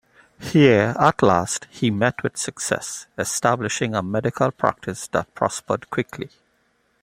Here, at last, he met with success, establishing a medical practice that prospered quickly.